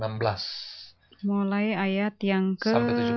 mulai ayat yang ke